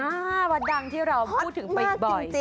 อ่าวัดดังที่เราพูดถึงไปบ่อย